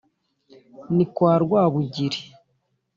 Ni kwa Rwabugiri